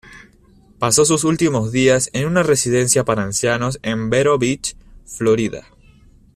Pasó sus últimos días en una residencia para ancianos en Vero Beach, Florida.